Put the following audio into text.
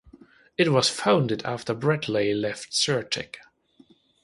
It was founded after Bradley left Sir-Tech.